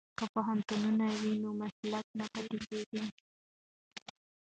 که پوهنتون وي نو مسلک نه پاتیږي.